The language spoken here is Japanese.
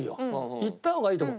言った方がいいと思う。